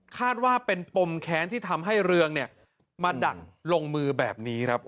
คาดว่าเป็นปมแค้นที่ทำให้เรืองมาดักลงมือแบบนี้ครับ